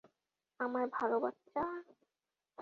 আমার ভাল বাচ্চা।